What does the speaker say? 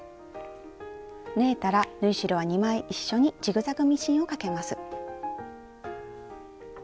縫えたら縫い代は２枚一緒にジグザグミシンをかけます。